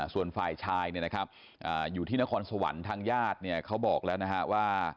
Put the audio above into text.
ส่วนฝ่ายชายเนี่ยนะครับอยู่ที่นครสวรรค์ทางญาติเนี่ยเขาบอกแล้วนะฮะว่า